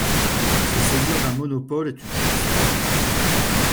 Se saisir d’un monopole est une chance rare.